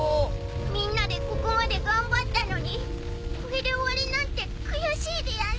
みんなでここまで頑張ったのにこれで終わりなんて悔しいでやんす。